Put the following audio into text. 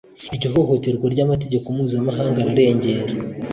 iryo hohotera ry'amategeko mpuzamahanga arengera